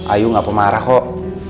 ayu gak pemarah kok